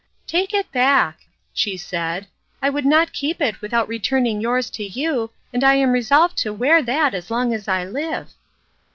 "Take it back," she said, "I could not keep it without returning yours to you, and I am resolved to wear that as long as I live."